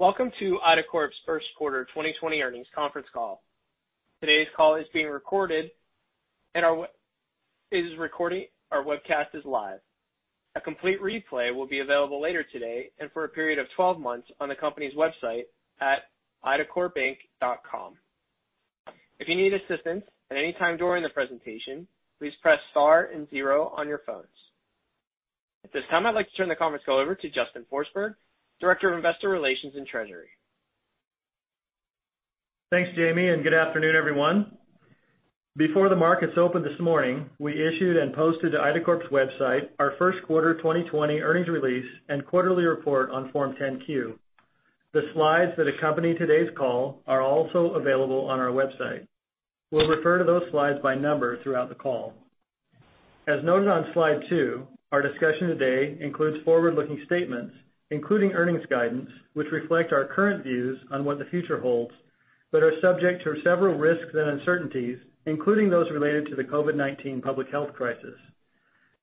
Welcome to IDACORP's First Quarter 2020 Earnings Conference Call. Today's call is being recorded and our webcast is live. A complete replay will be available later today and for a period of 12 months on the company's website at idacorpinc.com. If you need assistance at any time during the presentation, please press star and zero on your phones. At this time, I'd like to turn the conference call over to Justin Forsberg, Director of Investor Relations and Treasury. Thanks, Jamie, and good afternoon, everyone. Before the markets opened this morning, we issued and posted to IDACORP's website our first quarter 2020 earnings release and quarterly report on Form 10-Q. The slides that accompany today's call are also available on our website. We'll refer to those slides by number throughout the call. As noted on slide two, our discussion today includes forward-looking statements, including earnings guidance, which reflect our current views on what the future holds, but are subject to several risks and uncertainties, including those related to the COVID-19 public health crisis.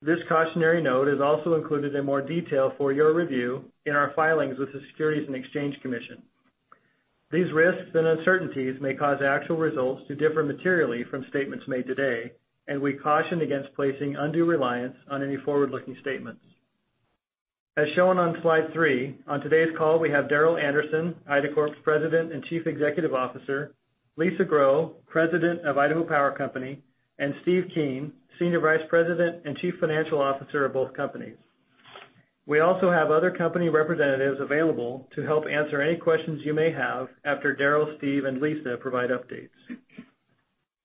This cautionary note is also included in more detail for your review in our filings with the Securities and Exchange Commission. These risks and uncertainties may cause actual results to differ materially from statements made today, and we caution against placing undue reliance on any forward-looking statements. As shown on slide three, on today's call, we have Darrel Anderson, IDACORP's President and Chief Executive Officer; Lisa Grow, President of Idaho Power Company, and Steve Keen, Senior Vice President and Chief Financial Officer of both companies. We also have other company representatives available to help answer any questions you may have after Darrel, Steve, and Lisa provide updates.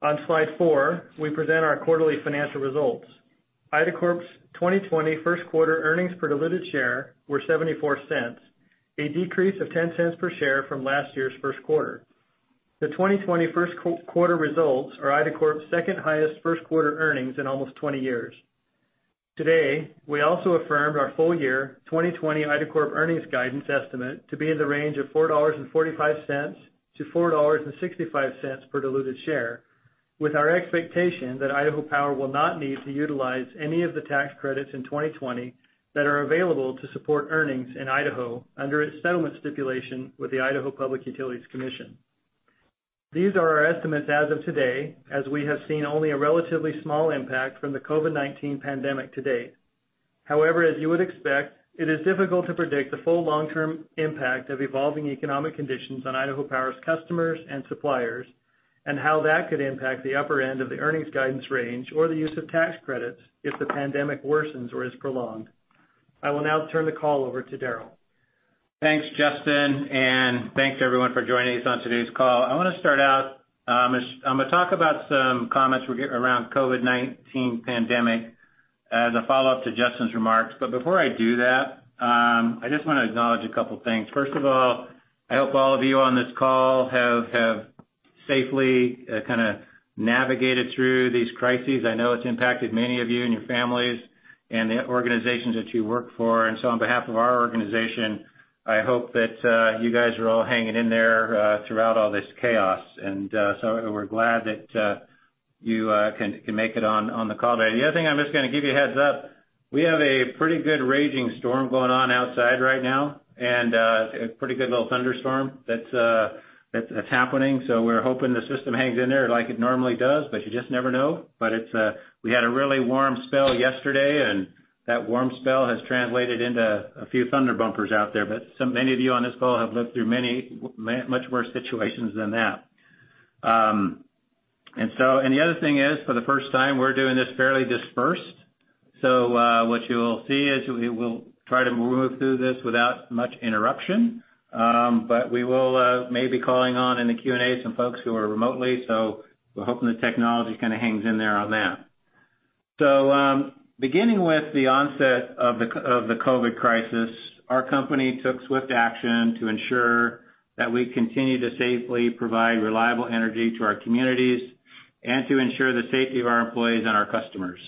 On slide four, we present our quarterly financial results. IDACORP's 2020 first quarter earnings per diluted share were $0.74, a decrease of $0.10 per share from last year's first quarter. The 2020 first quarter results are IDACORP's second highest first quarter earnings in almost 20 years. Today, we also affirmed our full year 2020 IDACORP earnings guidance estimate to be in the range of $4.45-$4.65 per diluted share, with our expectation that Idaho Power will not need to utilize any of the tax credits in 2020 that are available to support earnings in Idaho under its settlement stipulation with the Idaho Public Utilities Commission. These are our estimates as of today, as we have seen only a relatively small impact from the COVID-19 pandemic to date. As you would expect, it is difficult to predict the full long-term impact of evolving economic conditions on Idaho Power's customers and suppliers, and how that could impact the upper end of the earnings guidance range or the use of tax credits if the pandemic worsens or is prolonged. I will now turn the call over to Darrel. Thanks, Justin. Thanks everyone for joining us on today's call. I want to start out, I'm going to talk about some comments we're getting around COVID-19 pandemic as a follow-up to Justin's remarks. Before I do that, I just want to acknowledge a couple of things. First of all, I hope all of you on this call have safely kind of navigated through these crises. I know it's impacted many of you and your families and the organizations that you work for. On behalf of our organization, I hope that you guys are all hanging in there throughout all this chaos. We're glad that you can make it on the call today. The other thing, I'm just going to give you a heads up. We have a pretty good raging storm going on outside right now, a pretty good little thunderstorm that's happening. We're hoping the system hangs in there like it normally does, but you just never know. We had a really warm spell yesterday, and that warm spell has translated into a few thunder bumpers out there. Many of you on this call have lived through much worse situations than that. The other thing is, for the first time, we're doing this fairly dispersed. What you'll see is we will try to move through this without much interruption. We may be calling on in the Q&A some folks who are remotely. We're hoping the technology kind of hangs in there on that. Beginning with the onset of the COVID crisis, our company took swift action to ensure that we continue to safely provide reliable energy to our communities and to ensure the safety of our employees and our customers.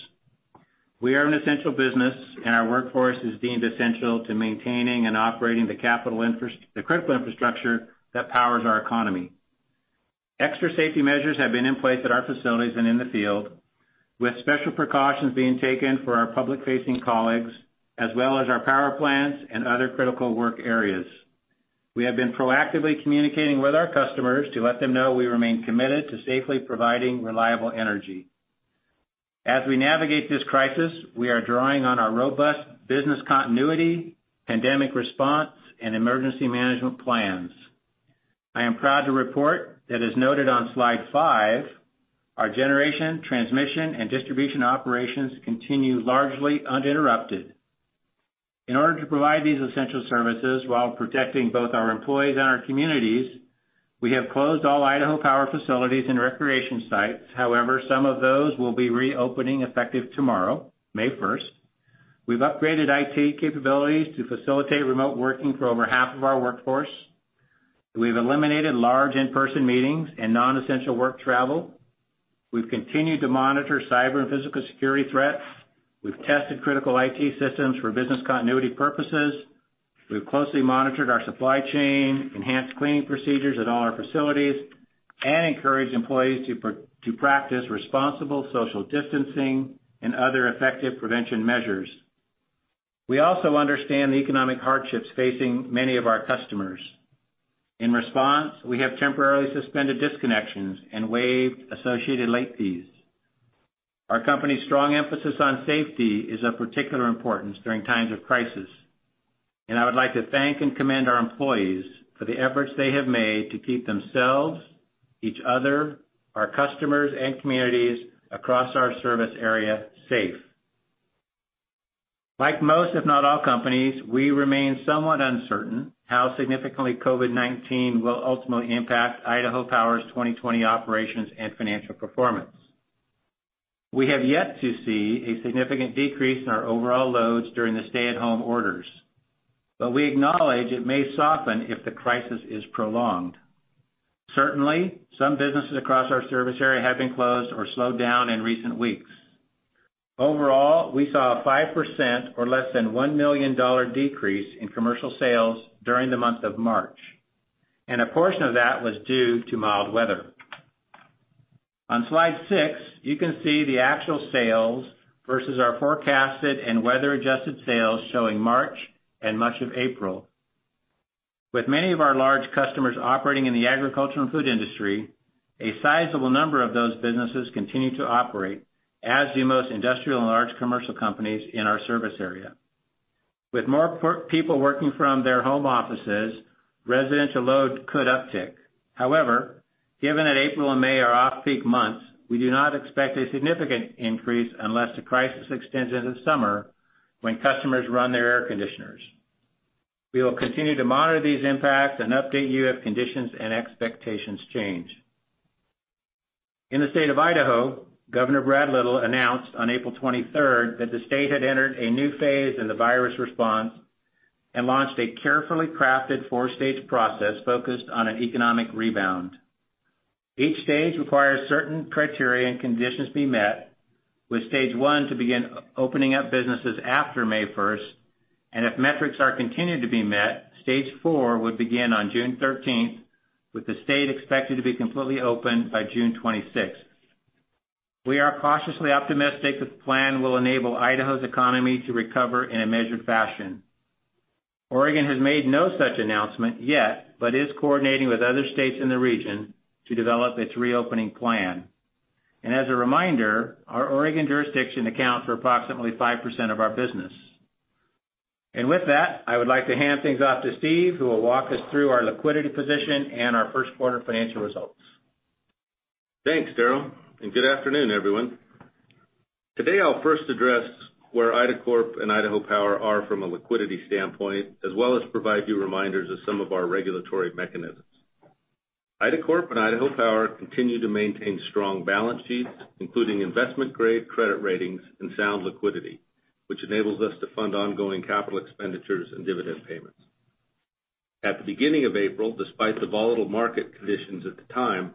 We are an essential business, and our workforce is deemed essential to maintaining and operating the critical infrastructure that powers our economy. Extra safety measures have been in place at our facilities and in the field, with special precautions being taken for our public-facing colleagues, as well as our power plants and other critical work areas. We have been proactively communicating with our customers to let them know we remain committed to safely providing reliable energy. As we navigate this crisis, we are drawing on our robust business continuity, pandemic response, and emergency management plans. I am proud to report that as noted on slide five, our generation, transmission, and distribution operations continue largely uninterrupted. In order to provide these essential services while protecting both our employees and our communities, we have closed all Idaho Power facilities and recreation sites. However, some of those will be reopening effective tomorrow, May 1st. We've upgraded IT capabilities to facilitate remote working for over half of our workforce. We've eliminated large in-person meetings and non-essential work travel. We've continued to monitor cyber and physical security threats. We've tested critical IT systems for business continuity purposes. We've closely monitored our supply chain, enhanced cleaning procedures at all our facilities. We encourage employees to practice responsible social distancing and other effective prevention measures. We also understand the economic hardships facing many of our customers. In response, we have temporarily suspended disconnections and waived associated late fees. Our company's strong emphasis on safety is of particular importance during times of crisis, and I would like to thank and commend our employees for the efforts they have made to keep themselves, each other, our customers, and communities across our service area safe. Like most, if not all, companies, we remain somewhat uncertain how significantly COVID will ultimately impact Idaho Power's 2020 operations and financial performance. We have yet to see a significant decrease in our overall loads during the stay-at-home orders. We acknowledge it may soften if the crisis is prolonged. Certainly, some businesses across our service area have been closed or slowed down in recent weeks. Overall, we saw a 5% or less than $1 million decrease in commercial sales during the month of March. A portion of that was due to mild weather. On slide six, you can see the actual sales versus our forecasted and weather-adjusted sales showing March and much of April. With many of our large customers operating in the agriculture and food industry, a sizable number of those businesses continue to operate as do most industrial and large commercial companies in our service area. With more people working from their home offices, residential load could uptick. However, given that April and May are off-peak months, we do not expect a significant increase unless the crisis extends into summer, when customers run their air conditioners. We will continue to monitor these impacts and update you if conditions and expectations change. In the State of Idaho, Governor Brad Little announced on April 23rd that the state had entered a new phase in the virus response and launched a carefully crafted four-stage process focused on an economic rebound. Each stage requires certain criteria and conditions be met, with stage one to begin opening up businesses after May 1st, and if metrics are continued to be met, stage four would begin on June 13th, with the state expected to be completely open by June 26th. We are cautiously optimistic this plan will enable Idaho's economy to recover in a measured fashion. Oregon has made no such announcement yet, but is coordinating with other states in the region to develop its reopening plan. As a reminder, our Oregon jurisdiction accounts for approximately 5% of our business. With that, I would like to hand things off to Steve, who will walk us through our liquidity position and our first quarter financial results. Thanks, Darrel. Good afternoon, everyone. Today, I'll first address where IDACORP and Idaho Power are from a liquidity standpoint, as well as provide you reminders of some of our regulatory mechanisms. IDACORP and Idaho Power continue to maintain strong balance sheets, including investment-grade credit ratings and sound liquidity, which enables us to fund ongoing capital expenditures and dividend payments. At the beginning of April, despite the volatile market conditions at the time,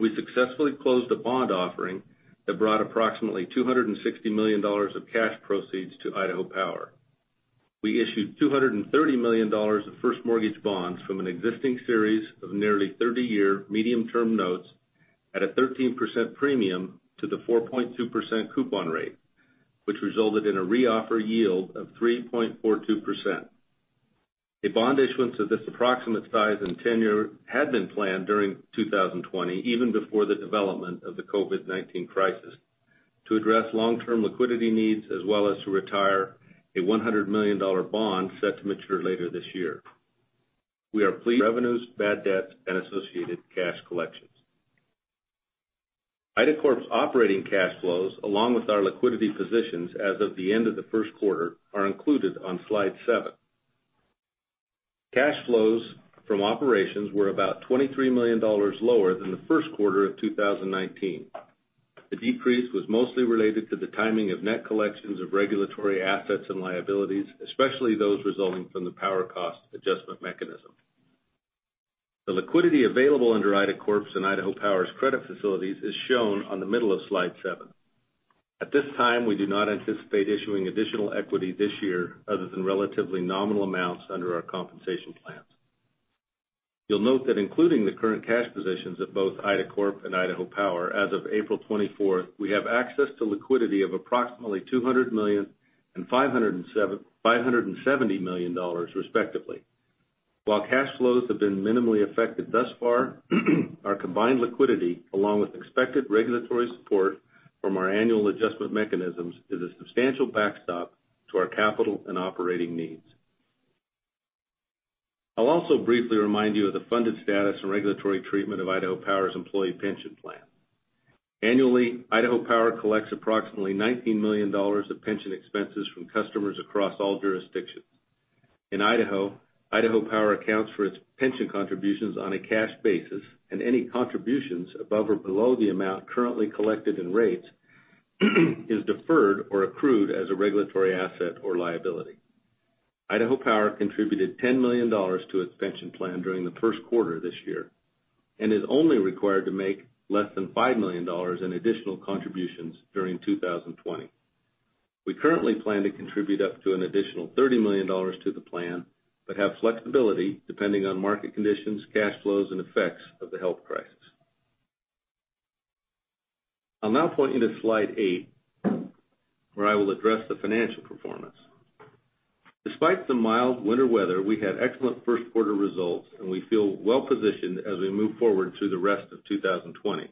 we successfully closed a bond offering that brought approximately $260 million of cash proceeds to Idaho Power. We issued $230 million of first mortgage bonds from an existing series of nearly 30-year medium-term notes at a 13% premium to the 4.2% coupon rate, which resulted in a reoffer yield of 3.42%. A bond issuance of this approximate size and tenure had been planned during 2020, even before the development of the COVID-19 crisis to address long-term liquidity needs, as well as to retire a $100 million bond set to mature later this year. We are pleased revenues, bad debts, and associated cash collections. IDACORP's operating cash flows, along with our liquidity positions as of the end of the first quarter, are included on slide seven. Cash flows from operations were about $23 million lower than the first quarter of 2019. The decrease was mostly related to the timing of net collections of regulatory assets and liabilities, especially those resulting from the power cost adjustment mechanism. The liquidity available under IDACORP's and Idaho Power's credit facilities is shown on the middle of slide seven. At this time, we do not anticipate issuing additional equity this year other than relatively nominal amounts under our compensation plans. You'll note that including the current cash positions of both IDACORP and Idaho Power as of April 24th, we have access to liquidity of approximately $200 million and $570 million, respectively. While cash flows have been minimally affected thus far, our combined liquidity, along with expected regulatory support from our annual adjustment mechanisms, is a substantial backstop to our capital and operating needs. I'll also briefly remind you of the funded status and regulatory treatment of Idaho Power's employee pension plan. Annually, Idaho Power collects approximately $19 million of pension expenses from customers across all jurisdictions. In Idaho Power accounts for its pension contributions on a cash basis, and any contributions above or below the amount currently collected in rates is deferred or accrued as a regulatory asset or liability. Idaho Power contributed $10 million to its pension plan during the first quarter of this year and is only required to make less than $5 million in additional contributions during 2020. We currently plan to contribute up to an additional $30 million to the plan, but have flexibility depending on market conditions, cash flows, and effects of the health crisis. I'll now point you to slide eight, where I will address the financial performance. Despite the mild winter weather, we had excellent first quarter results, and we feel well-positioned as we move forward through the rest of 2020.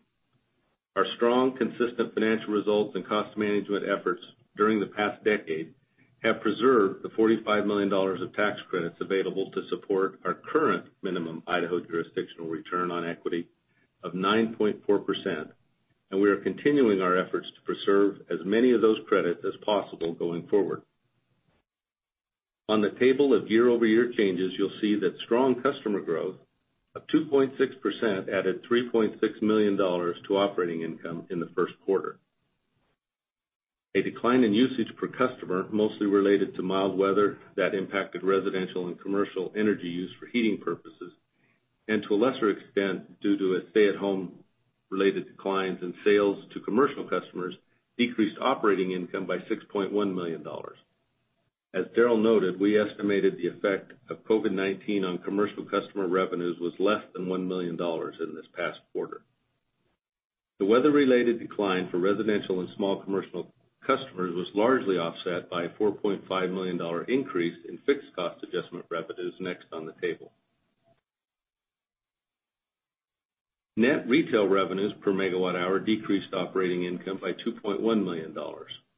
Our strong, consistent financial results and cost management efforts during the past decade have preserved the $45 million of tax credits available to support our current minimum Idaho jurisdictional return on equity of 9.4%, and we are continuing our efforts to preserve as many of those credits as possible going forward. On the table of year-over-year changes, you'll see that strong customer growth of 2.6% added $3.6 million to operating income in the first quarter. A decline in usage per customer, mostly related to mild weather that impacted residential and commercial energy use for heating purposes, and to a lesser extent, due to a stay-at-home related declines in sales to commercial customers, decreased operating income by $6.1 million. As Darrel noted, we estimated the effect of COVID-19 on commercial customer revenues was less than $1 million in this past quarter. The weather-related decline for residential and small commercial customers was largely offset by a $4.5 million increase in fixed cost adjustment revenues next on the table. Net retail revenues per megawatt hour decreased operating income by $2.1 million,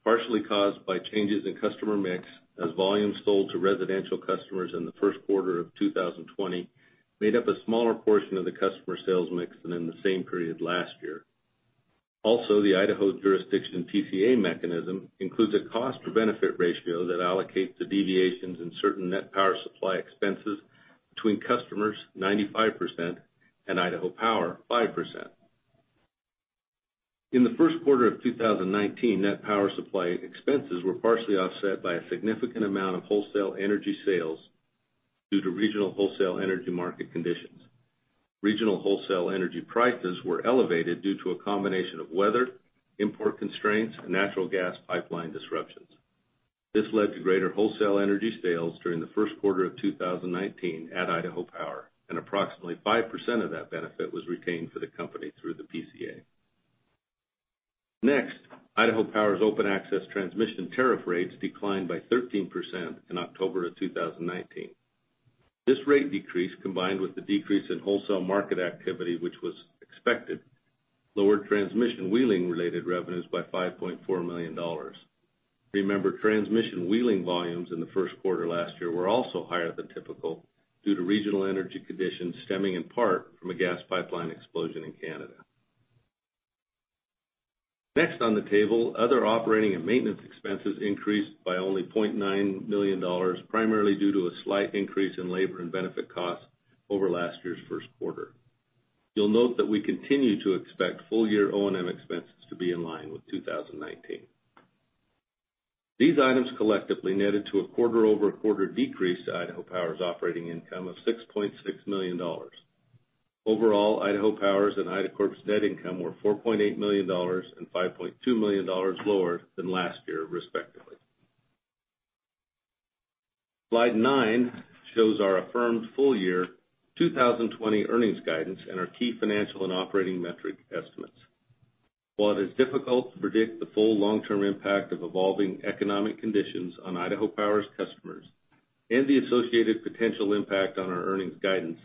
partially caused by changes in customer mix as volumes sold to residential customers in the first quarter of 2020 made up a smaller portion of the customer sales mix than in the same period last year. The Idaho jurisdiction PCA mechanism includes a cost-to-benefit ratio that allocates the deviations in certain net power supply expenses between customers, 95%, and Idaho Power, 5%. In the first quarter of 2019, net power supply expenses were partially offset by a significant amount of wholesale energy sales due to regional wholesale energy market conditions. Regional wholesale energy prices were elevated due to a combination of weather, import constraints, and natural gas pipeline disruptions. This led to greater wholesale energy sales during the first quarter of 2019 at Idaho Power. Approximately 5% of that benefit was retained for the company through the PCA. Idaho Power's open-access transmission tariff rates declined by 13% in October of 2019. This rate decrease, combined with the decrease in wholesale market activity, which was expected, lowered transmission wheeling-related revenues by $5.4 million. Remember, transmission wheeling volumes in the first quarter last year were also higher than typical due to regional energy conditions stemming in part from a gas pipeline explosion in Canada. Other operating and maintenance expenses increased by only $0.9 million, primarily due to a slight increase in labor and benefit costs over last year's first quarter. You'll note that we continue to expect full-year O&M expenses to be in line with 2019. These items collectively netted to a quarter-over-quarter decrease to Idaho Power's operating income of $6.6 million. Overall, Idaho Power's and IDACORP's net income were $4.8 million and $5.2 million lower than last year, respectively. Slide nine shows our affirmed full-year 2020 earnings guidance and our key financial and operating metric estimates. While it is difficult to predict the full long-term impact of evolving economic conditions on Idaho Power's customers and the associated potential impact on our earnings guidance,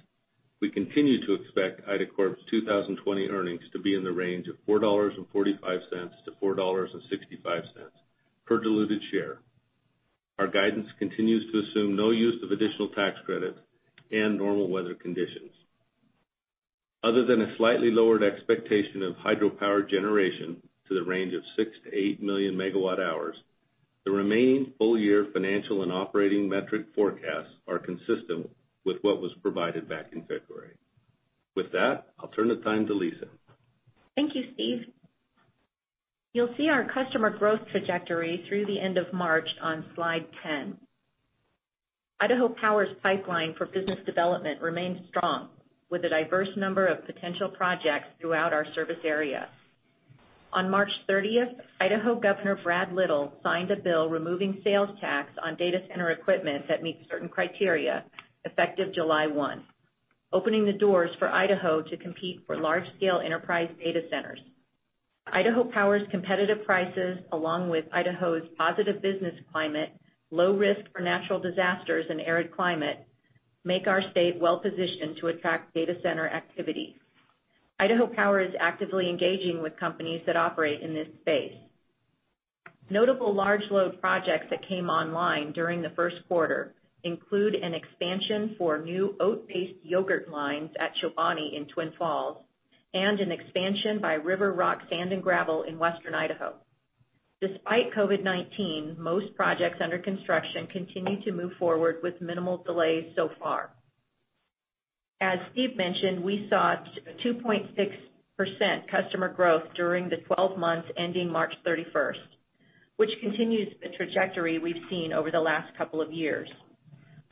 we continue to expect IDACORP's 2020 earnings to be in the range of $4.45-$4.65 per diluted share. Our guidance continues to assume no use of additional tax credits and normal weather conditions. Other than a slightly lowered expectation of hydropower generation to the range of 6 million megawatt hours to 8 million megawatt hours, the remaining full-year financial and operating metric forecasts are consistent with what was provided back in February. With that, I'll turn the time to Lisa. Thank you, Steve. You'll see our customer growth trajectory through the end of March on slide 10. Idaho Power's pipeline for business development remains strong with a diverse number of potential projects throughout our service area. On March 30th, Idaho Governor Brad Little signed a bill removing sales tax on data center equipment that meets certain criteria, effective July 1, opening the doors for Idaho to compete for large-scale enterprise data centers. Idaho Power's competitive prices, along with Idaho's positive business climate, low risk for natural disasters, and arid climate, make our state well-positioned to attract data center activity. Idaho Power is actively engaging with companies that operate in this space. Notable large load projects that came online during the first quarter include an expansion for new oat-based yogurt lines at Chobani in Twin Falls and an expansion by River Rock Sand & Gravel in Western Idaho. Despite COVID-19, most projects under construction continue to move forward with minimal delays so far. As Steve mentioned, we saw 2.6% customer growth during the 12 months ending March 31st, which continues the trajectory we've seen over the last couple of years.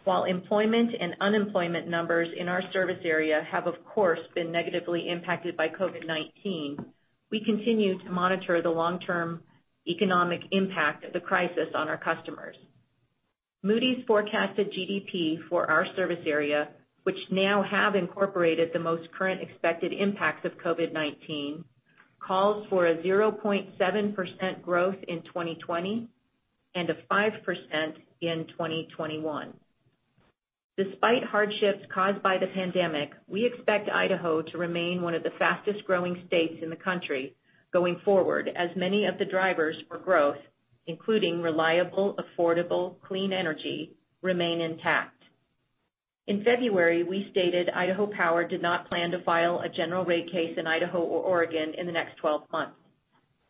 While employment and unemployment numbers in our service area have, of course, been negatively impacted by COVID-19, we continue to monitor the long-term economic impact of the crisis on our customers. Moody's forecasted GDP for our service area, which now have incorporated the most current expected impacts of COVID-19, calls for a 0.7% growth in 2020 and a 5% in 2021. Despite hardships caused by the pandemic, we expect Idaho to remain one of the fastest-growing states in the country going forward, as many of the drivers for growth, including reliable, affordable, clean energy, remain intact. In February, we stated Idaho Power did not plan to file a general rate case in Idaho or Oregon in the next 12 months.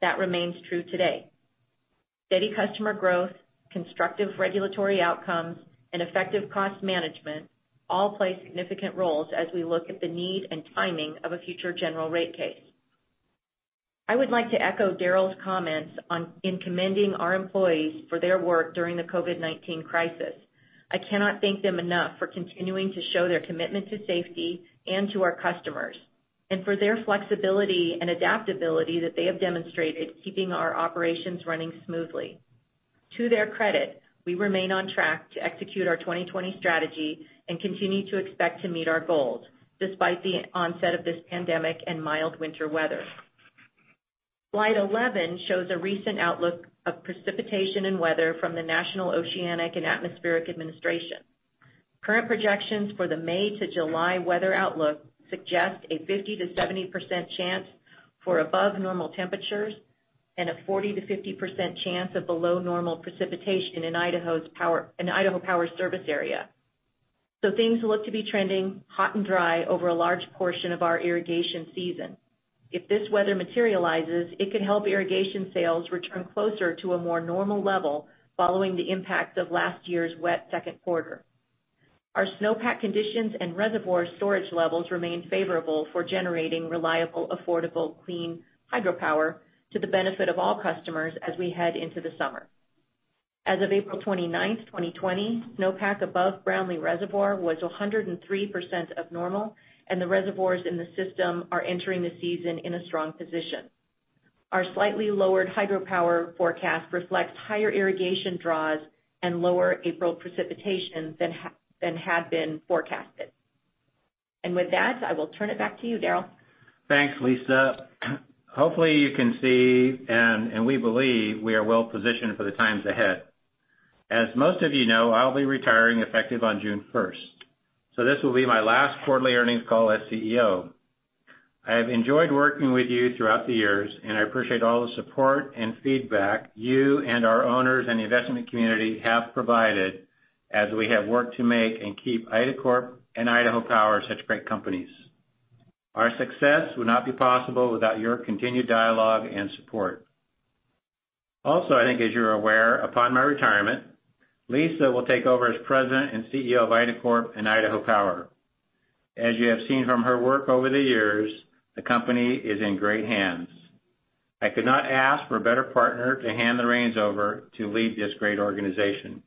That remains true today. Steady customer growth, constructive regulatory outcomes, and effective cost management all play significant roles as we look at the need and timing of a future general rate case. I would like to echo Darrel's comments in commending our employees for their work during the COVID-19 crisis. I cannot thank them enough for continuing to show their commitment to safety and to our customers, and for their flexibility and adaptability that they have demonstrated keeping our operations running smoothly. To their credit, we remain on track to execute our 2020 strategy and continue to expect to meet our goals, despite the onset of this pandemic and mild winter weather. Slide 11 shows a recent outlook of precipitation and weather from the National Oceanic and Atmospheric Administration. Current projections for the May to July weather outlook suggest a 50%-70% chance for above normal temperatures and a 40%-50% chance of below normal precipitation in Idaho Power's service area. Things look to be trending hot and dry over a large portion of our irrigation season. If this weather materializes, it could help irrigation sales return closer to a more normal level following the impact of last year's wet second quarter. Our snowpack conditions and reservoir storage levels remain favorable for generating reliable, affordable, clean hydropower to the benefit of all customers as we head into the summer. As of April 29th, 2020, snowpack above Brownlee Reservoir was 103% of normal, and the reservoirs in the system are entering the season in a strong position. Our slightly lowered hydropower forecast reflects higher irrigation draws and lower April precipitation than had been forecasted. With that, I will turn it back to you, Darrel. Thanks, Lisa. Hopefully you can see, and we believe we are well-positioned for the times ahead. As most of you know, I'll be retiring effective on June 1st, so this will be my last quarterly earnings call as CEO. I have enjoyed working with you throughout the years, and I appreciate all the support and feedback you and our owners and the investment community have provided as we have worked to make and keep IDACORP and Idaho Power such great companies. Our success would not be possible without your continued dialogue and support. Also, I think as you're aware, upon my retirement, Lisa will take over as President and CEO of IDACORP and Idaho Power. As you have seen from her work over the years, the company is in great hands. I could not ask for a better partner to hand the reins over to lead this great organization.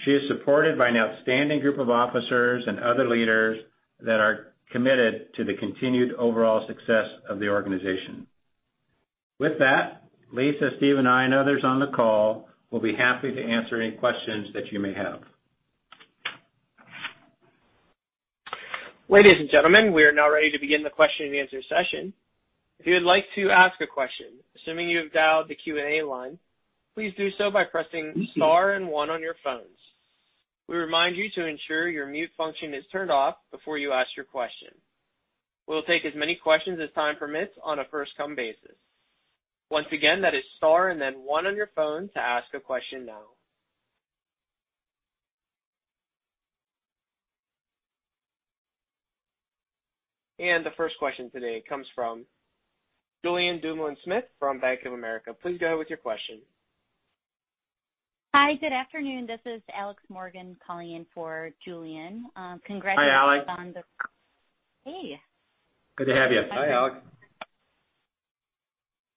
She is supported by an outstanding group of officers and other leaders that are committed to the continued overall success of the organization. With that, Lisa, Steve, and I, and others on the call will be happy to answer any questions that you may have. Ladies and gentlemen, we are now ready to begin the question and answer session. If you would like to ask a question, assuming you have dialed the Q&A line, please do so by pressing star and one on your phones. We remind you to ensure your mute function is turned off before you ask your question. We'll take as many questions as time permits on a first-come basis. Once again, that is star and then one on your phone to ask a question now. The first question today comes from Julien Dumoulin-Smith from Bank of America. Please go ahead with your question. Hi, good afternoon. This is Alex Morgan calling in for Julien. Congratulations on the- Hi, Alex. Hey. Good to have you. Hi, Alex.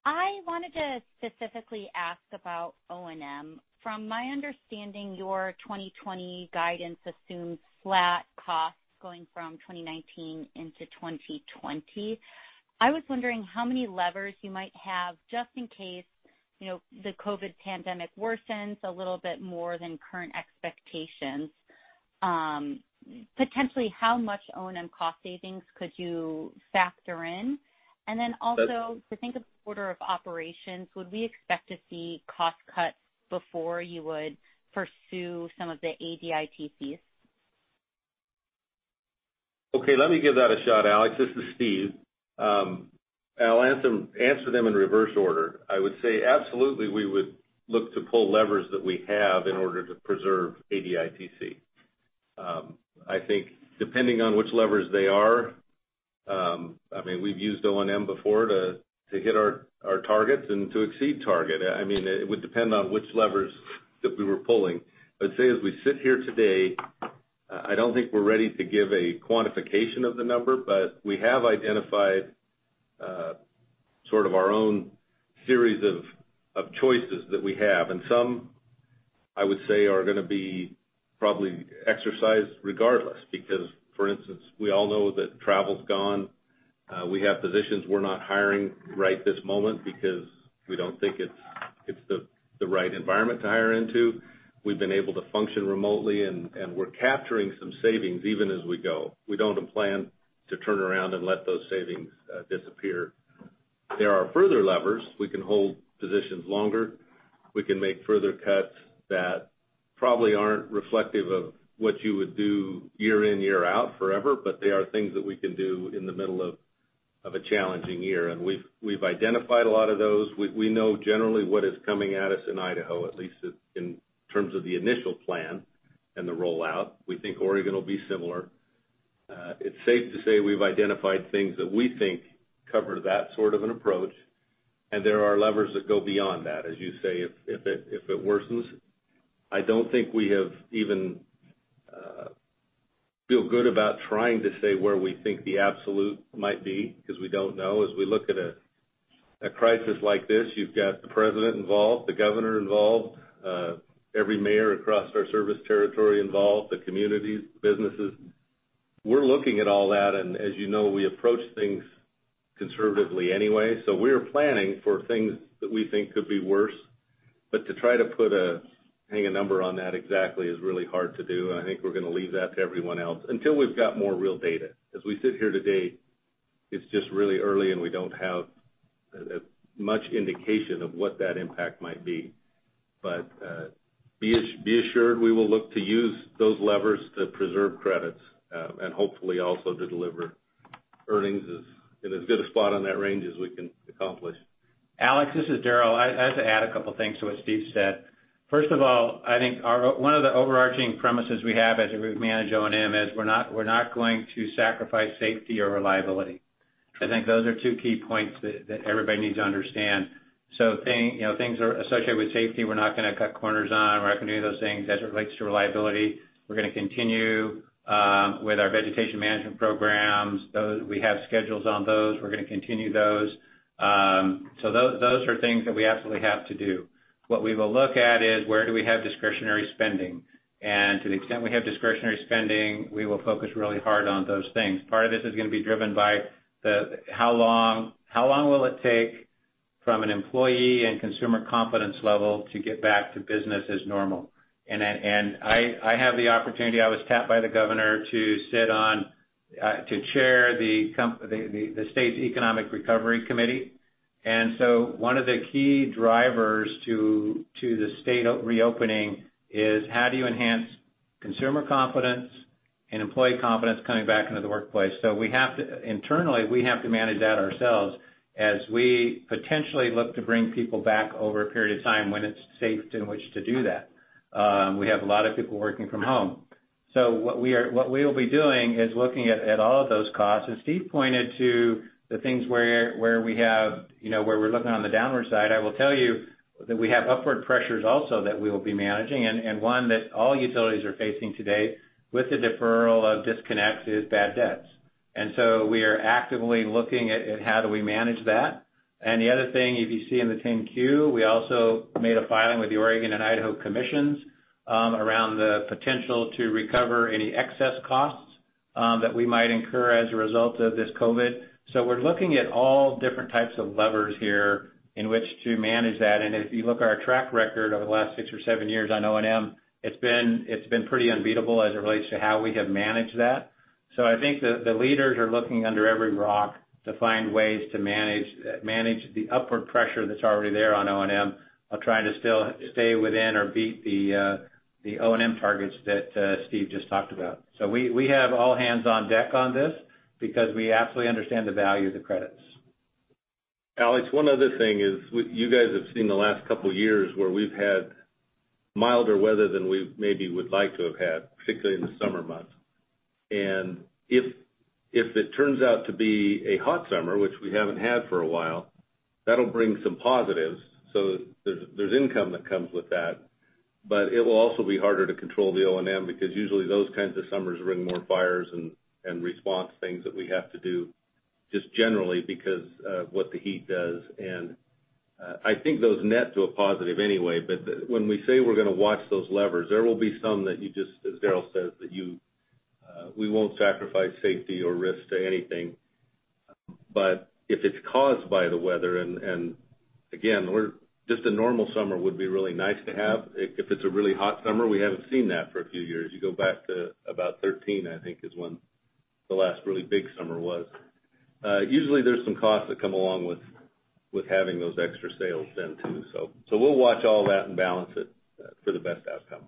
I wanted to specifically ask about O&M. From my understanding, your 2020 guidance assumes flat costs going from 2019 into 2020. I was wondering how many levers you might have just in case the COVID pandemic worsens a little bit more than current expectations. Potentially, how much O&M cost savings could you factor in? Also, to think of order of operations, would we expect to see cost cuts before you would pursue some of the ADITCs? Okay, let me give that a shot, Alex. This is Steve. I'll answer them in reverse order. I would say absolutely we would look to pull levers that we have in order to preserve ADITC. I think depending on which levers they are, we've used O&M before to hit our targets and to exceed target. It would depend on which levers that we were pulling. I'd say as we sit here today, I don't think we're ready to give a quantification of the number, but we have identified a sort of our own series of choices that we have. Some, I would say, are going to be probably exercised regardless, because, for instance, we all know that travel's gone. We have positions we're not hiring right this moment because we don't think it's the right environment to hire into. We've been able to function remotely, and we're capturing some savings even as we go. We don't plan to turn around and let those savings disappear. There are further levers. We can hold positions longer. We can make further cuts that probably aren't reflective of what you would do year in, year out forever, but they are things that we can do in the middle of a challenging year. We've identified a lot of those. We know generally what is coming at us in Idaho, at least in terms of the initial plan and the rollout. We think Oregon will be similar. It's safe to say we've identified things that we think cover that sort of an approach, and there are levers that go beyond that, as you say, if it worsens. I don't think we have even feel good about trying to say where we think the absolute might be, because we don't know. As we look at a crisis like this, you've got the President involved, the governor involved, every mayor across our service territory involved, the communities, the businesses. We're looking at all that. As you know, we approach things conservatively anyway. We're planning for things that we think could be worse. To try to hang a number on that exactly is really hard to do, and I think we're going to leave that to everyone else until we've got more real data. As we sit here today, it's just really early, and we don't have much indication of what that impact might be. Be assured, we will look to use those levers to preserve credits and hopefully also to deliver earnings in as good a spot on that range as we can accomplish. Alex, this is Darrel. I'd like to add a couple things to what Steve said. I think one of the overarching premises we have as we manage O&M is we're not going to sacrifice safety or reliability. I think those are two key points that everybody needs to understand. Things that are associated with safety, we're not going to cut corners on. We're not going to do those things. As it relates to reliability, we're going to continue with our vegetation management programs. We have schedules on those. We're going to continue those. Those are things that we absolutely have to do. What we will look at is where do we have discretionary spending? To the extent we have discretionary spending, we will focus really hard on those things. Part of this is going to be driven by how long will it take from an employee and consumer confidence level to get back to business as normal? I have the opportunity, I was tapped by the Governor to chair the state's Economic Recovery Committee. One of the key drivers to the state reopening is how do you enhance consumer confidence and employee confidence coming back into the workplace? Internally, we have to manage that ourselves as we potentially look to bring people back over a period of time when it's safe in which to do that. We have a lot of people working from home. What we will be doing is looking at all of those costs. As Steve pointed to the things where we're looking on the downward side, I will tell you that we have upward pressures also that we will be managing, and one that all utilities are facing today with the deferral of disconnects is bad debts. We are actively looking at how do we manage that. The other thing, if you see in the 10-Q, we also made a filing with the Oregon and Idaho Commissions around the potential to recover any excess costs that we might incur as a result of this COVID. We're looking at all different types of levers here in which to manage that. If you look at our track record over the last six or seven years on O&M, it's been pretty unbeatable as it relates to how we have managed that. I think the leaders are looking under every rock to find ways to manage the upward pressure that's already there on O&M while trying to still stay within or beat the O&M targets that Steve just talked about. We have all hands on deck on this because we absolutely understand the value of the credits. Alex, one other thing is you guys have seen the last couple of years where we've had milder weather than we maybe would like to have had, particularly in the summer months. If it turns out to be a hot summer, which we haven't had for a while, that'll bring some positives. There's income that comes with that, but it will also be harder to control the O&M because usually those kinds of summers bring more fires and response things that we have to do just generally because of what the heat does. I think those net to a positive anyway. When we say we're going to watch those levers, there will be some that you just, as Darrel says, that we won't sacrifice safety or risk to anything. If it's caused by the weather, and again, just a normal summer would be really nice to have. If it's a really hot summer, we haven't seen that for a few years. You go back to about 2013, I think, is when the last really big summer was. Usually, there's some costs that come along with having those extra sales then, too. We'll watch all that and balance it for the best outcome.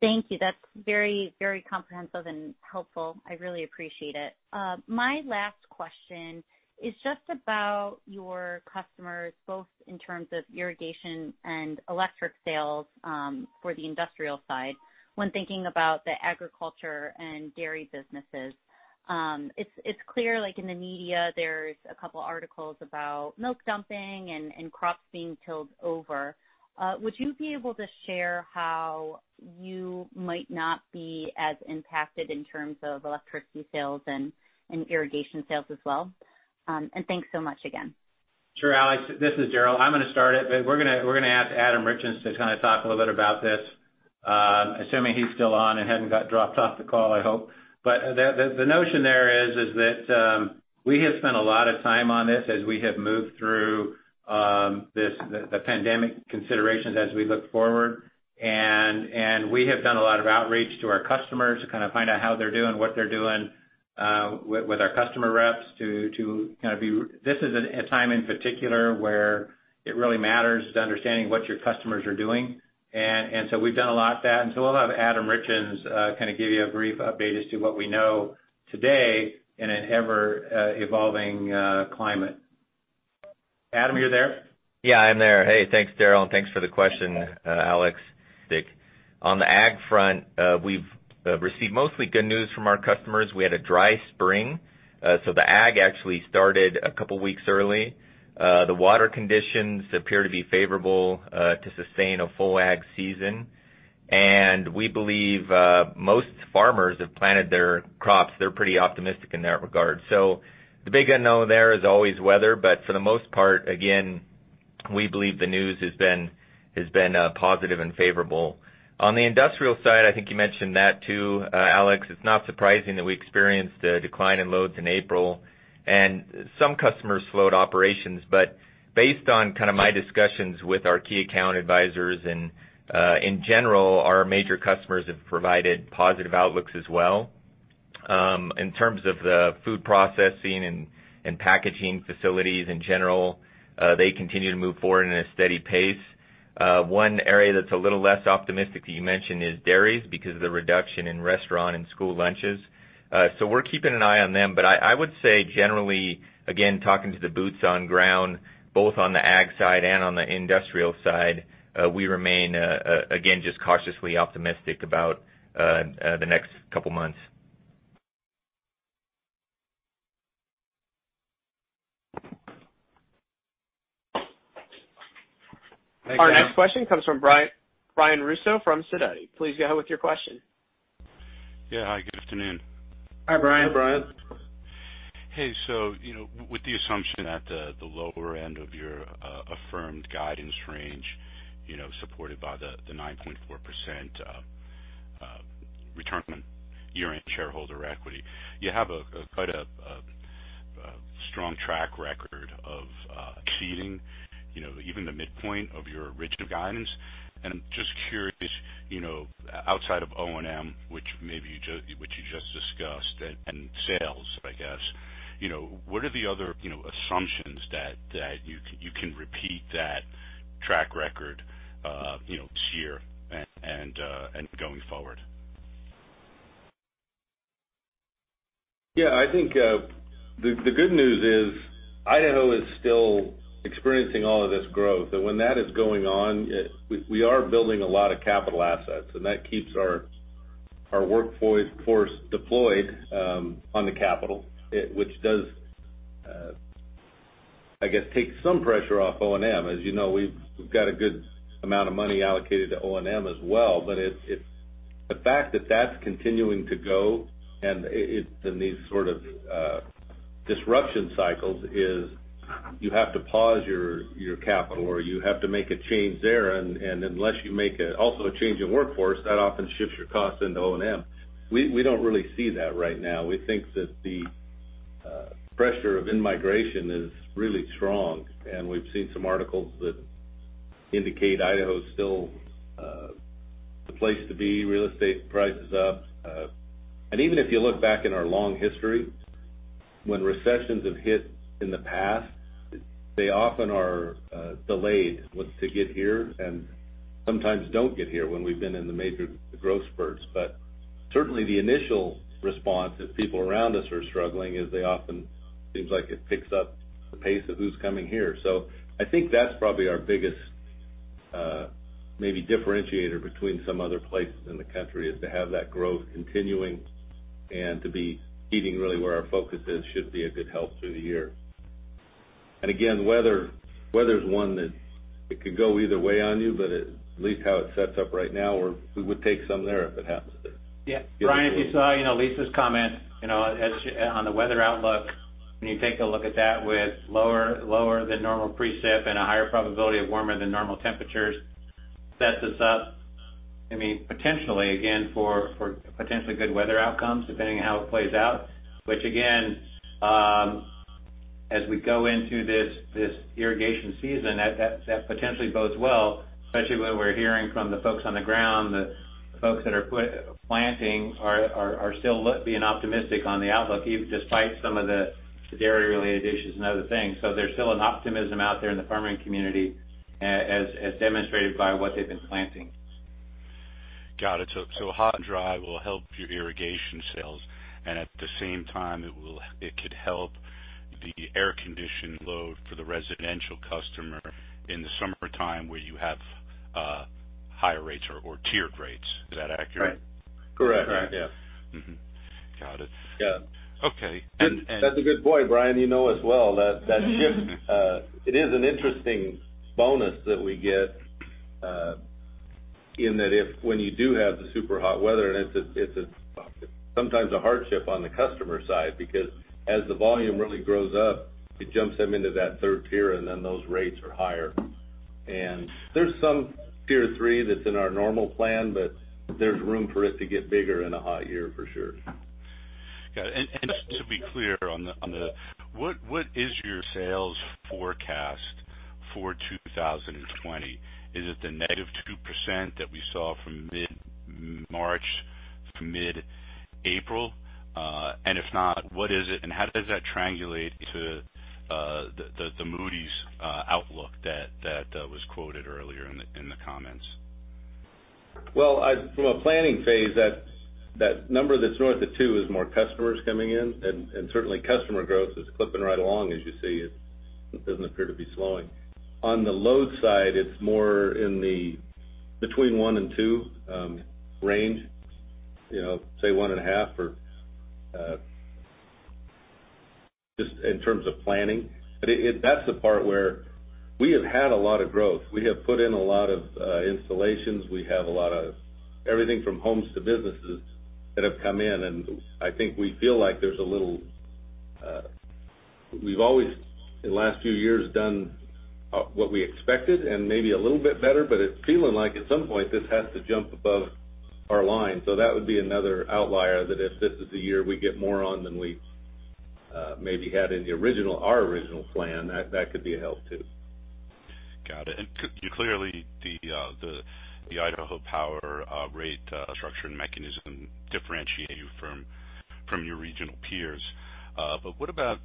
Thank you. That's very comprehensive and helpful. I really appreciate it. My last question is just about your customers, both in terms of irrigation and electric sales for the industrial side when thinking about the agriculture and dairy businesses. It's clear, like in the media, there's a couple articles about milk dumping and crops being tilled over. Would you be able to share how you might not be as impacted in terms of electricity sales and irrigation sales as well? Thanks so much again. Sure, Alex, this is Darrel. I'm going to start it, we're going to ask Adam Richins to talk a little bit about this, assuming he's still on and hadn't got dropped off the call, I hope. The notion there is that we have spent a lot of time on this as we have moved through the pandemic considerations as we look forward. We have done a lot of outreach to our customers to find out how they're doing, what they're doing, with our customer reps. This is a time in particular where it really matters to understanding what your customers are doing. We'll have Adam Richins give you a brief update as to what we know today in an ever-evolving climate. Adam, are you there? Yeah, I'm there. Hey, thanks, Darrel, and thanks for the question, Alex. On the ag front, we've received mostly good news from our customers. We had a dry spring, so the ag actually started a couple of weeks early. The water conditions appear to be favorable to sustain a full ag season. We believe most farmers have planted their crops. They're pretty optimistic in that regard. The big unknown there is always weather. For the most part, again, we believe the news has been positive and favorable. On the industrial side, I think you mentioned that too, Alex. It's not surprising that we experienced a decline in loads in April, and some customers slowed operations. Based on my discussions with our key account advisors and, in general, our major customers have provided positive outlooks as well. In terms of the food processing and packaging facilities in general, they continue to move forward in a steady pace. One area that's a little less optimistic that you mentioned is dairies because of the reduction in restaurant and school lunches. We're keeping an eye on them. I would say generally, again, talking to the boots on ground, both on the ag side and on the industrial side, we remain, again, just cautiously optimistic about the next couple of months. Our next question comes from Brian Russo from Sidoti. Please go ahead with your question. Yeah. Hi, good afternoon. Hi, Brian. Hi, Brian. Hey. With the assumption that the lower end of your affirmed guidance range, supported by the 9.4% return on year-end shareholder equity, you have quite a strong track record of exceeding even the midpoint of your original guidance. I'm just curious, outside of O&M, which you just discussed, and sales, I guess, what are the other assumptions that you can repeat that track record this year and going forward? Yeah, I think the good news is Idaho is still experiencing all of this growth. When that is going on, we are building a lot of capital assets, and that keeps our workforce deployed on the capital, which does, I guess, take some pressure off O&M. As you know, we've got a good amount of money allocated to O&M as well. The fact that that's continuing to go and in these sort of disruption cycles is you have to pause your capital or you have to make a change there. Unless you make also a change in workforce, that often shifts your costs into O&M. We don't really see that right now. We think that the pressure of in-migration is really strong, and we've seen some articles that indicate Idaho is still the place to be. Real estate price is up. Even if you look back in our long history, when recessions have hit in the past, they often are delayed to get here and sometimes don't get here when we've been in the major growth spurts. Certainly the initial response is people around us are struggling, is they often seems like it picks up the pace of who's coming here. I think that's probably our biggest maybe differentiator between some other places in the country, is to have that growth continuing and to be keeping really where our focus is, should be a good help through the year. Again, weather is one that it could go either way on you, but at least how it sets up right now, we would take some there if it happens. Yeah. Brian, if you saw Lisa's comment on the weather outlook, when you take a look at that with lower than normal precip and a higher probability of warmer than normal temperatures, sets us up, potentially again, for potentially good weather outcomes, depending on how it plays out. Which again, as we go into this irrigation season, that potentially bodes well, especially when we're hearing from the folks on the ground, the folks that are planting are still being optimistic on the outlook, even despite some of the dairy-related issues and other things. There's still an optimism out there in the farming community, as demonstrated by what they've been planting. Got it. Hot and dry will help your irrigation sales, and at the same time, it could help the air condition load for the residential customer in the summertime where you have higher rates or tiered rates. Is that accurate? Correct. Correct. Yeah. Got it. Yeah. Okay. That's a good point, Brian. You know as well that shift, it is an interesting bonus that we get. In that if when you do have the super hot weather, and it's sometimes a hardship on the customer side, because as the volume really grows up, it jumps them into that Tier 3, and then those rates are higher. There's some Tier 3 that's in our normal plan, but there's room for it to get bigger in a hot year for sure. Got it. Just to be clear on what is your sales forecast for 2020? Is it the negative 2% that we saw from mid-March to mid-April? If not, what is it? How does that triangulate to the Moody's outlook that was quoted earlier in the comments? From a planning phase, that number that's north of two is more customers coming in, and certainly customer growth is clipping right along as you see. It doesn't appear to be slowing. On the load side, it's more in between one and two range. Say one and a half or just in terms of planning. That's the part where we have had a lot of growth. We have put in a lot of installations. We have a lot of everything from homes to businesses that have come in, and I think we feel like we've always, in the last few years, done what we expected and maybe a little bit better, but it's feeling like at some point this has to jump above our line. That would be another outlier that if this is the year we get more on than we maybe had in our original plan, that could be a help too. Got it. clearly the Idaho Power rate structure and mechanism differentiate you from your regional peers. what about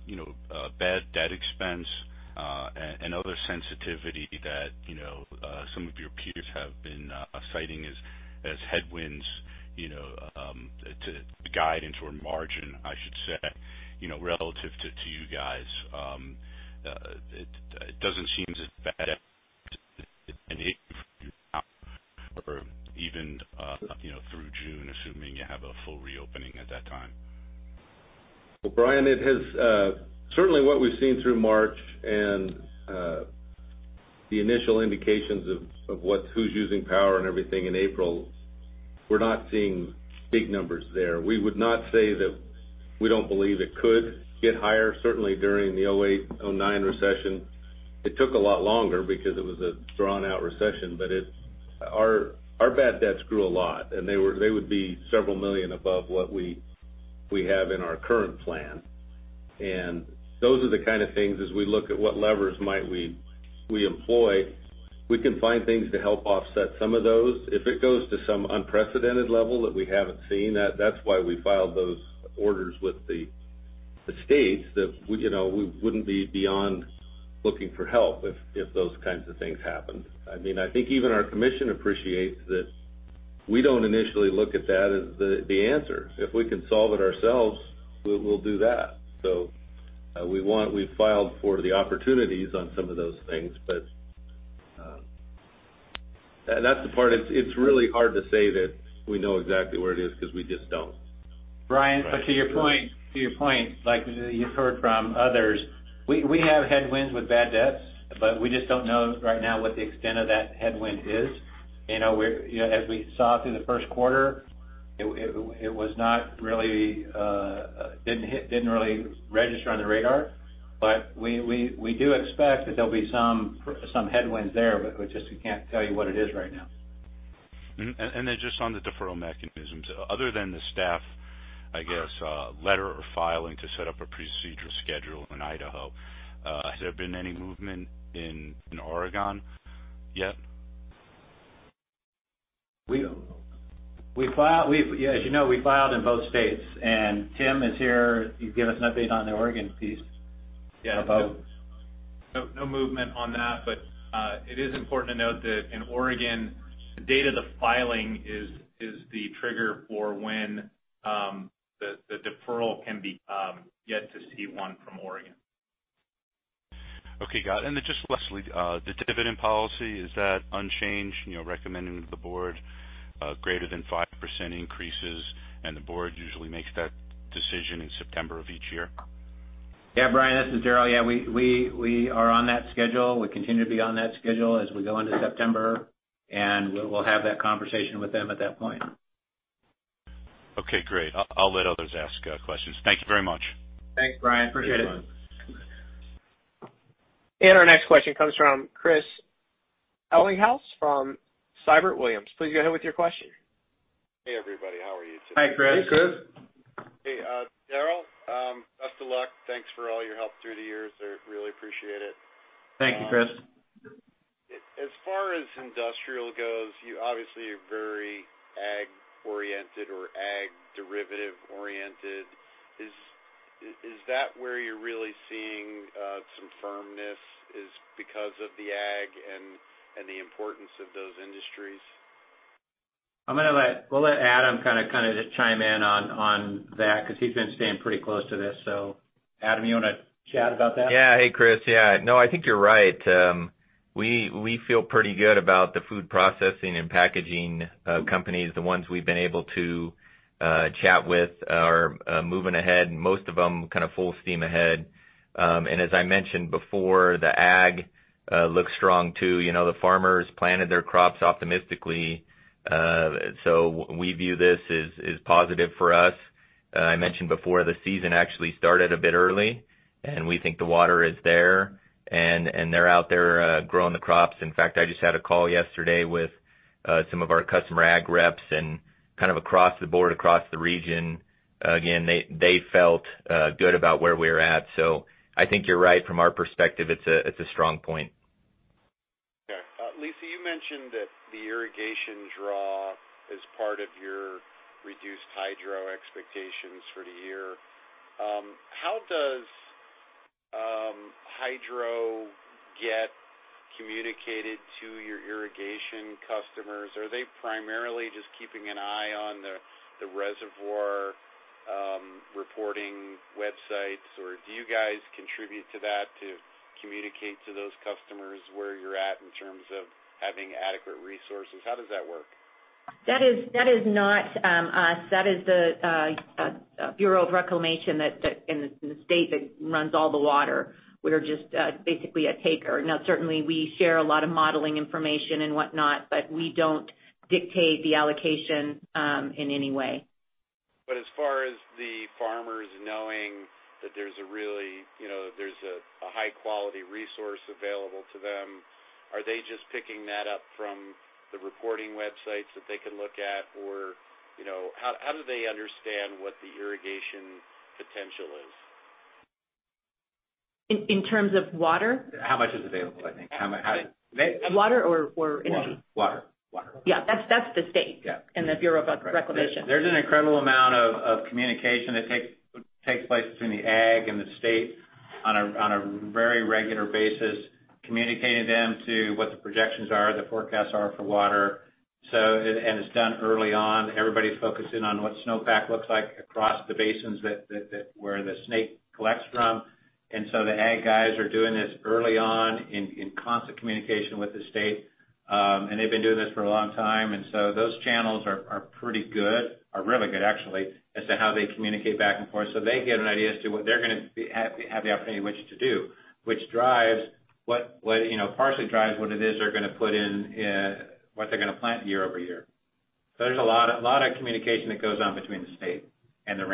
bad debt expense and other sensitivity that some of your peers have been citing as headwinds to guide into a margin, I should say, relative to you guys? Well, Brian, certainly what we've seen through March and the initial indications of who's using power and everything in April, we're not seeing big numbers there. We would not say that we don't believe it could get higher. Certainly, during the 2008/2009 recession, it took a lot longer because it was a drawn-out recession. Our bad debts grew a lot, and they would be several million above what we have in our current plan. Those are the kind of things as we look at what levers might we employ, we can find things to help offset some of those. If it goes to some unprecedented level that we haven't seen, that's why we filed those orders with the states that we wouldn't be beyond looking for help if those kinds of things happened. I think even our Commission appreciates that we don't initially look at that as the answer. If we can solve it ourselves, we'll do that. We filed for the opportunities on some of those things. That's the part, it's really hard to say that we know exactly where it is because we just don't. Brian, to your point, like you've heard from others, we have headwinds with bad debts, we just don't know right now what the extent of that headwind is. As we saw through the first quarter, it didn't really register on the radar. We do expect that there'll be some headwinds there, but we just can't tell you what it is right now. Just on the deferral mechanisms. Other than the staff, I guess, letter or filing to set up a procedure schedule in Idaho, has there been any movement in Oregon yet? As you know, we filed in both states and Tim is here. He can give us an update on the Oregon piece. No movement on that, but it is important to note that in Oregon, the date of the filing is the trigger for when the deferral can be yet to see one from Oregon. Okay, got it. Just lastly, the dividend policy, is that unchanged? Recommending to the board greater than 5% increases and the Board usually makes that decision in September of each year? Yeah, Brian, this is Darrel. Yeah, we are on that schedule. We continue to be on that schedule as we go into September, and we'll have that conversation with them at that point. Okay, great. I'll let others ask questions. Thank you very much. Thanks, Brian. Appreciate it. Our next question comes from Chris Ellinghaus from Siebert Williams. Please go ahead with your question. Hey, everybody. How are you today? Hi, Chris. Hey, Chris. Hey, Darrel. Best of luck. Thanks for all your help through the years. I really appreciate it. Thank you, Chris. As far as industrial goes, you obviously are very ag oriented or ag derivative oriented. Is that where you're really seeing some firmness is because of the ag and the importance of those industries? We'll let Adam chime in on that because he's been staying pretty close to this. Adam, you want to chat about that? Yeah. Hey, Chris. Yeah. No, I think you're right. We feel pretty good about the food processing and packaging companies. The ones we've been able to chat with are moving ahead, most of them kind of full steam ahead. As I mentioned before, the ag looks strong too. The farmers planted their crops optimistically. We view this as positive for us. I mentioned before, the season actually started a bit early, and we think the water is there, and they're out there growing the crops. In fact, I just had a call yesterday with some of our customer ag reps and kind of across the board, across the region, again, they felt good about where we're at. I think you're right. From our perspective, it's a strong point. Lisa, you mentioned that the irrigation draw is part of your reduced hydro expectations for the year. How does hydro get communicated to your irrigation customers? Are they primarily just keeping an eye on the reservoir reporting websites, or do you guys contribute to that to communicate to those customers where you're at in terms of having adequate resources? How does that work? That is not us. That is the Bureau of Reclamation in the state that runs all the water. We are just basically a taker. Certainly, we share a lot of modeling information and whatnot, but we don't dictate the allocation in any way. As far as the farmers knowing that there's a high-quality resource available to them, are they just picking that up from the reporting websites that they can look at? Or how do they understand what the irrigation potential is? In terms of water? How much is available, I think. Water or Water. Yeah. That's the state. Yeah. The Bureau of Reclamation. There's an incredible amount of communication that takes place between the ag and the state on a very regular basis, communicating to them what the projections are, the forecasts are for water. It's done early on. Everybody's focusing on what snowpack looks like across the basins where the Snake collects from. The ag guys are doing this early on in constant communication with the state. They've been doing this for a long time, those channels are pretty good, are really good actually, as to how they communicate back and forth. They get an idea as to what they're going to have the opportunity in which to do, which partially drives what it is they're going to put in, what they're going to plant year-over-year. There's a lot of communication that goes on between the state and the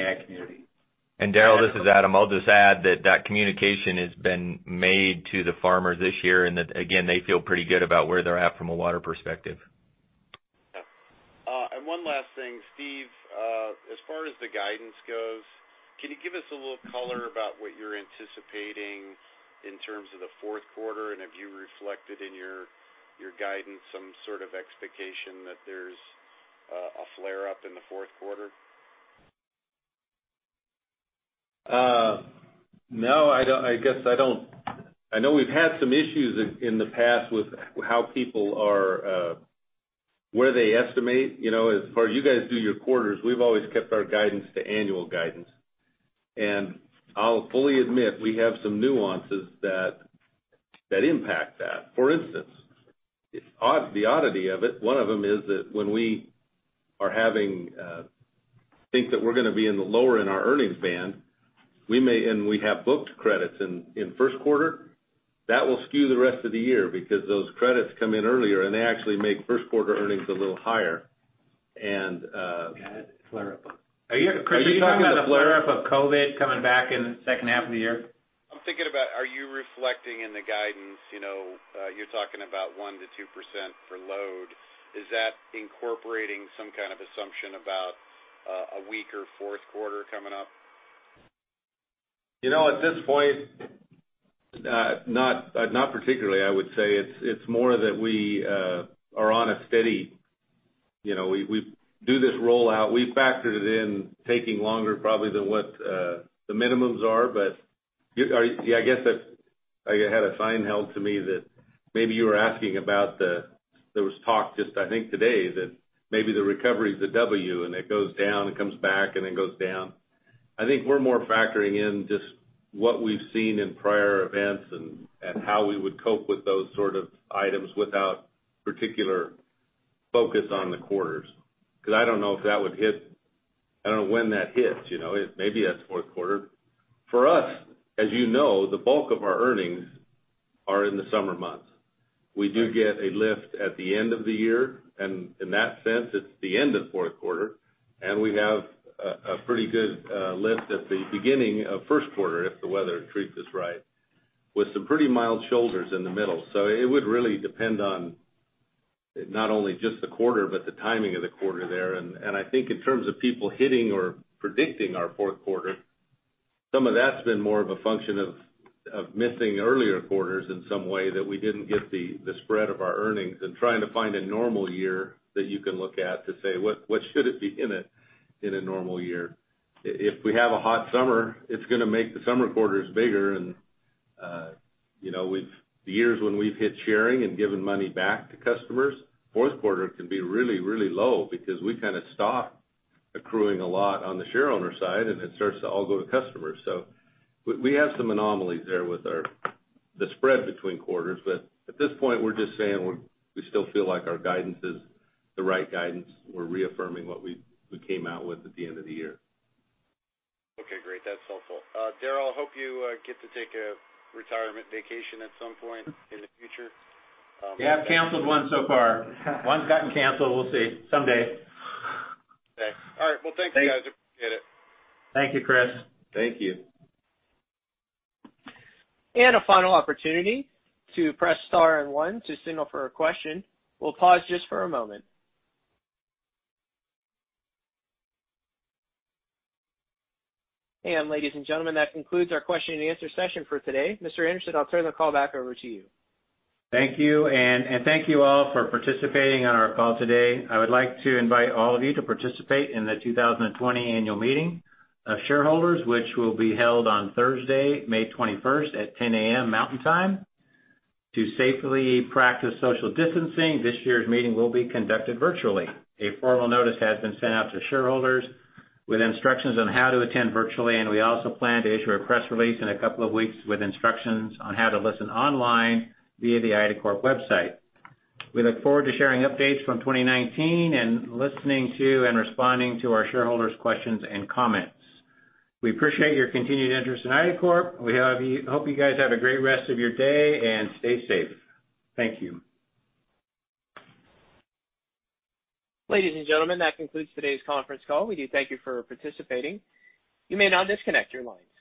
ag community. Darrel, this is Adam. I'll just add that that communication has been made to the farmers this year, and that, again, they feel pretty good about where they're at from a water perspective. One last thing. Steve, as far as the guidance goes, can you give us a little color about what you're anticipating in terms of the fourth quarter? Have you reflected in your guidance some sort of expectation that there's a flare-up in the fourth quarter? No, I guess I don't. I know we've had some issues in the past with how people are, where they estimate. As far as you guys do your quarters, we've always kept our guidance to annual guidance. I'll fully admit we have some nuances that impact that. For instance, the oddity of it, one of them is that when we think that we're going to be in the lower end of our earnings band, and we have booked credits in first quarter, that will skew the rest of the year because those credits come in earlier, and they actually make first quarter earnings a little higher. Flare up. Are you talking about the flare up of COVID coming back in the second half of the year? I'm thinking about, are you reflecting in the guidance, you're talking about 1%-2% for load? Is that incorporating some kind of assumption about a weaker fourth quarter coming up? At this point, not particularly, I would say. It's more that we do this rollout. We factored it in taking longer probably than what the minimums are. I guess I had a sign held to me that maybe you were asking about there was talk just I think today that maybe the recovery's a W, and it goes down, and comes back, and then goes down. I think we're more factoring in just what we've seen in prior events and how we would cope with those sort of items without particular focus on the quarters, because I don't know when that hits. Maybe that's fourth quarter. For us, as you know, the bulk of our earnings are in the summer months. We do get a lift at the end of the year, and in that sense, it's the end of fourth quarter, and we have a pretty good lift at the beginning of first quarter if the weather treats us right, with some pretty mild shoulders in the middle. It would really depend on not only just the quarter, but the timing of the quarter there. I think in terms of people hitting or predicting our fourth quarter, some of that's been more of a function of missing earlier quarters in some way that we didn't get the spread of our earnings and trying to find a normal year that you can look at to say what should it be in it in a normal year. If we have a hot summer, it's going to make the summer quarters bigger. The years when we've hit sharing and given money back to customers, fourth quarter can be really, really low because we kind of stop accruing a lot on the share owner side, and it starts to all go to customers. We have some anomalies there with the spread between quarters. At this point, we're just saying we still feel like our guidance is the right guidance. We're reaffirming what we came out with at the end of the year. Okay, great. That's helpful. Darrel, I hope you get to take a retirement vacation at some point in the future. We have canceled one so far. One's gotten canceled. We'll see. Someday. Okay. All right. Thank you, guys. I appreciate it. Thank you, Chris. Thank you. A final opportunity to press star and one to signal for a question. We'll pause just for a moment. Ladies and gentlemen, that concludes our question and answer session for today. Mr. Anderson, I'll turn the call back over to you. Thank you. Thank you all for participating on our call today. I would like to invite all of you to participate in the 2020 Annual Meeting of Shareholders, which will be held on Thursday, May 21st at 10:00 A.M. Mountain Time. To safely practice social distancing, this year's meeting will be conducted virtually. A formal notice has been sent out to shareholders with instructions on how to attend virtually, and we also plan to issue a press release in a couple of weeks with instructions on how to listen online via the IDACORP website. We look forward to sharing updates from 2019 and listening to and responding to our shareholders' questions and comments. We appreciate your continued interest in IDACORP. We hope you guys have a great rest of your day, and stay safe. Thank you. Ladies and gentlemen, that concludes today's conference call. We do thank you for participating. You may now disconnect your line.